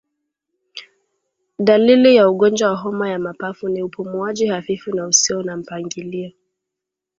Dalili ya ugonjwa wa homa ya mapafu ni upumuaji hafifu na usio na mpangilio